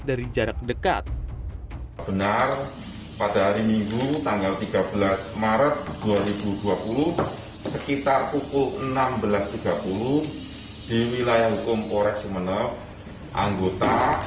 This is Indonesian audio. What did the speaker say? dari jarak dekat